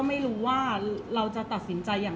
เพราะว่าสิ่งเหล่านี้มันเป็นสิ่งที่ไม่มีพยาน